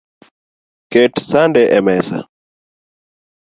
Ket sande emesa